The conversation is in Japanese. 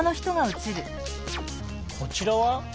こちらは？